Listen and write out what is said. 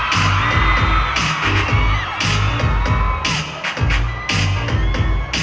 สวัสดีครับสวัสดีครับ